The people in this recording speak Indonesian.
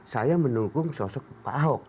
saya mendukung sosok pak ahok